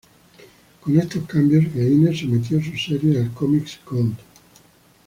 Con estos cambios, Gaines sometió sus series al Comics Code.